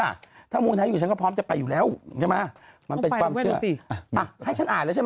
อ่าให้ฉันอ่านแล้วใช่ไหม